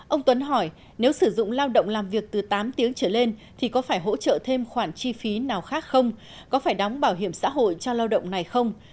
ông tuấn hỏi nếu sử dụng lao động làm việc từ tám tiếng trở lên thì có phải hỗ trợ thêm khoản chi phí nào khác không có phải đóng bảo hiểm xã hội cho lao động này không